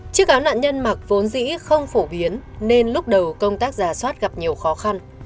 chiếc áo nạn nhân mặc vốn dĩ không phổ biến nên lúc đầu công tác giả soát gặp nhiều khó khăn